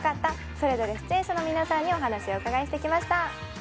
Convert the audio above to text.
それぞれ出演者の皆さんにお話をお伺いしてきました